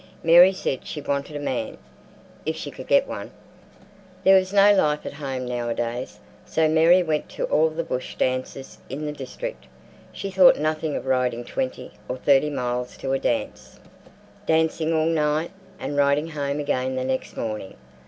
Mary said she wanted a man, if she could get one. There was no life at home nowadays, so Mary went to all the bush dances in the district. She thought nothing of riding twenty or thirty miles to a dance, dancing all night, and riding home again next morning.